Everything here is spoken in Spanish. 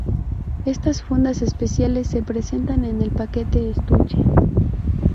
Estas fundas especiales se presentan en el paquete estuche.